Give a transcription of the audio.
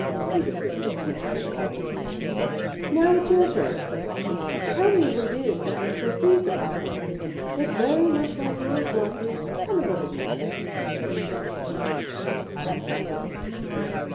Judith was still snickering over the news. "Now it's your turn," said Blasi, "tell me what it is that you're so pleased about." "It is very much like yours, Blasi; come a little nearer," and she whispered in his ear, "I have him."